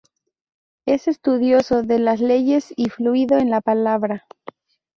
Es estudioso de las leyes y fluido en la palabra.